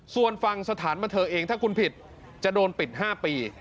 ส่วนฝั่งสถานบันเทิงเองถ้าคุณผิดจะโดนปิด๕ปี